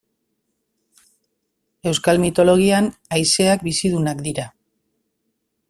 Euskal mitologian haizeak bizidunak dira.